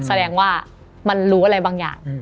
แสดงว่ามันรู้อะไรบางอย่าง